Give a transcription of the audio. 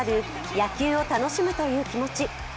野球を楽しむという気持ち。